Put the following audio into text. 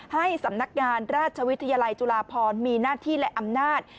ให้สำนักงานราชวิทยาลัยจุฬาพรมีหน้าที่และอำนาจ